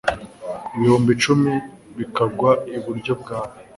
ibihumbi cumi bikagwa iburyo bwawe